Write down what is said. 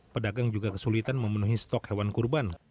pedagang juga kesulitan memenuhi stok hewan kurban